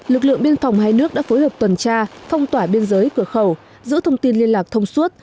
lực lượng biên phòng hai nước đã phối hợp tuần tra phong tỏa biên giới cửa khẩu giữ thông tin liên lạc thông suốt